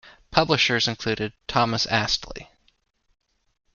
Publishers included Thomas Astley.